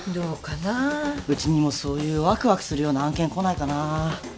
うちにもそういうワクワクするような案件来ないかな。